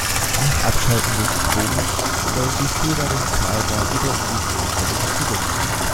Nach Abschalten des Stroms stellt die Feder den Zeiger wieder in die Nullstellung zurück.